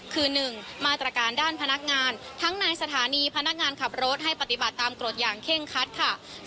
คือ๑มาตรการด้านพนักงานทั้งในสถานีพนักงานขับรถให้ปฏิบัติตามกฎอย่างเคร่งคัดค่ะ